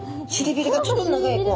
臀びれがちょっと長い子。